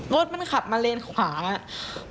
โมทมันขับมาเลนขวาอ่ะ